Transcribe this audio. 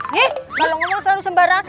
nih kalau ngomong selalu sembarang